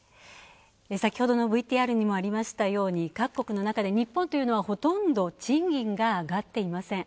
先ほどのＶＴＲにもありましたように各国の中で日本というのはほとんど賃金が上がっていません。